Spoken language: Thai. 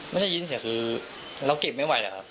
ไม่ได้ยินเสียงคือเราเก็บไม่ไหวแล้วครับ